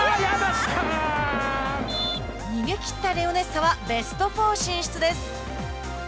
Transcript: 逃げきったレオネッサはベスト４進出です。